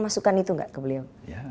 masukan itu nggak ke beliau